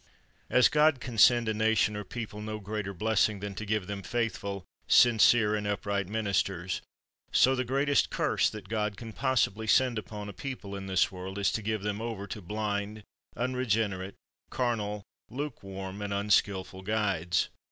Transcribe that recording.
As God can send a nation or people no greater blessing than to give them faithful, sincere, and upright ministers, so the greatest curse that God can possibly send upon a people in this world is to give them over to blind, unregenerate, carnal, lukewarm, and unskilful guides.